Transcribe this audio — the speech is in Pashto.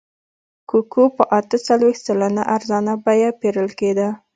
کوکو په اته څلوېښت سلنه ارزانه بیه پېرل کېده.